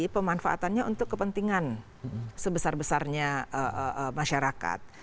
pemanfaatannya untuk kepentingan sebesar besarnya masyarakat